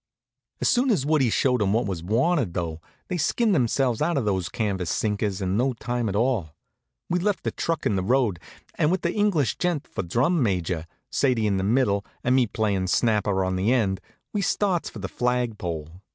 As soon as Woodie showed 'em what was wanted, though, they skinned themselves out of those canvas sinkers in no time at all. We left the truck in the road, and with the English gent for drum major, Sadie in the middle, and me playin' snapper on the end, we starts for the flag pole.